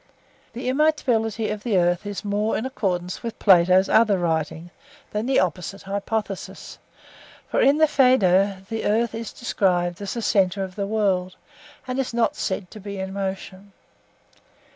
(4) The immobility of the earth is more in accordance with Plato's other writings than the opposite hypothesis. For in the Phaedo the earth is described as the centre of the world, and is not said to be in motion.